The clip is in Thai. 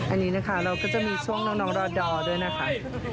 อันนี้นะคะเราก็จะมีช่วงน้องรอดอร์ด้วยนะคะ